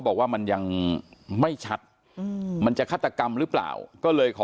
บอกว่ามันยังไม่ชัดมันจะฆาตกรรมหรือเปล่าก็เลยขอ